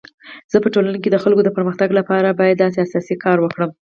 زه په ټولنه کي د خلکو د پرمختګ لپاره باید اساسي کار وکړم.